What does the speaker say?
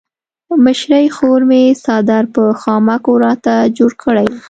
مشرې خور مې څادر په خامکو راته جوړ کړی وو.